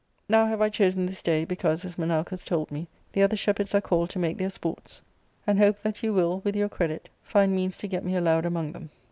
Now have I chosen this day, because, as Menalcas told me, the other shepherds are called to make their sports, and hope that you will, with your credit, find means to get mje allowed among them."